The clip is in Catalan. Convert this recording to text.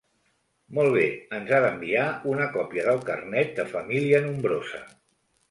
Molt bé, ens ha d'enviar una còpia del carnet de família nombrosa.